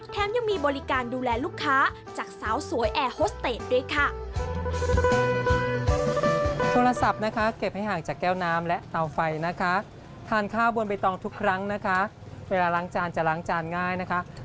ยังมีบริการดูแลลูกค้าจากสาวสวยแอร์โฮสเตจด้วยค่ะ